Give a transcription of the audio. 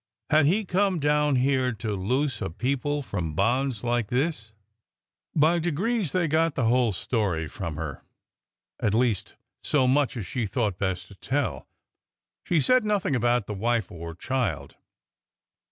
Had he come down here to loose a people from bonds like this? By degrees they got the whole story from her — at least so much as she thought best to tell. She said nothing about the wife or child.